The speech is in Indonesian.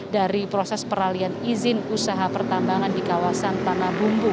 dari proses peralian izin usaha pertambangan di kawasan tanah bumbu